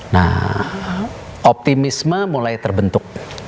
nah optimisme mulai terbentuk